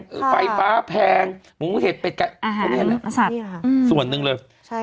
ใช่ไฟฟ้าแพงหมูเห็ดไปทีการธรรมดาส่วนหนึ่งเลย